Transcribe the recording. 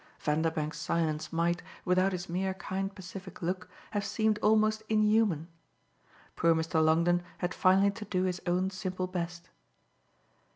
Vanderbank's silence might, without his mere kind pacific look, have seemed almost inhuman. Poor Mr. Longdon had finally to do his own simple best.